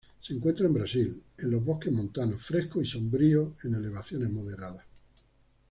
Se encuentra en Brasil, en los bosques montanos frescos y sombríos en elevaciones moderadas.